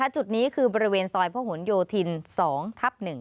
จุดนี้คือบริเวณซอยพระหลโยธิน๒ทับ๑